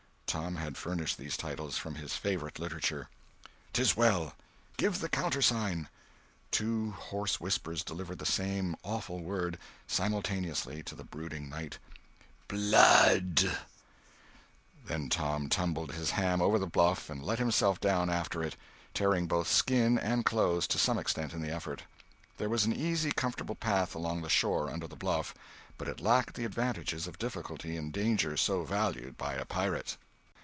Tom had furnished these titles, from his favorite literature. "'Tis well. Give the countersign." Two hoarse whispers delivered the same awful word simultaneously to the brooding night: "Blood!" Then Tom tumbled his ham over the bluff and let himself down after it, tearing both skin and clothes to some extent in the effort. There was an easy, comfortable path along the shore under the bluff, but it lacked the advantages of difficulty and danger so valued by a pirate.